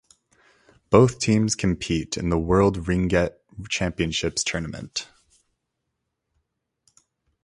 Both teams compete in the World Ringette Championships tournament.